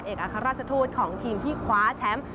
อัครราชทูตของทีมที่คว้าแชมป์